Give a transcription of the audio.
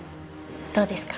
どうですか？